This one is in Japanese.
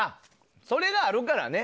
それがあるからね。